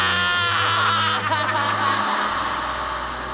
アハハハハ。